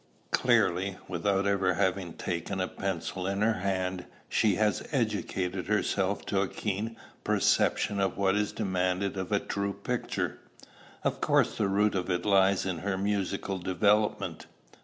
Clearly, without ever having taken a pencil in her hand, she has educated herself to a keen perception of what is demanded of a true picture. Of course the root of it lies in her musical development.